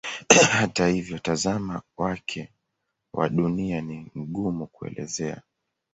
Hata hivyo mtazamo wake wa Dunia ni mgumu kuelezea.